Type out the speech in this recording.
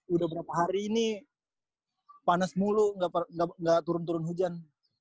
udah berapa hari ini panas mulu nggak turun turun hujan